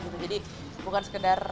jadi bukan sekedar